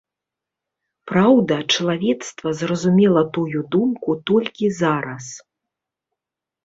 Праўда, чалавецтва зразумела тую думку толькі зараз.